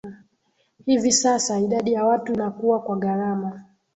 Hivi sasa idadi ya watu inakua kwa gharama